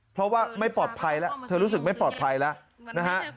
เพราะว่าไม่ปลอดภัยแล้วเธอรู้สึกไม่ปลอดภัยแล้วนะฮะ